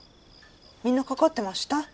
みんなかかってました？